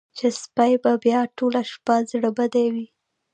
چې سپۍ به بیا ټوله شپه زړه بدې وي.